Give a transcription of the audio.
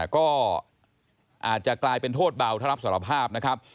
ก็อาจจะกลายเป็นโทษเบาถ้ารับสารภาพนะครับ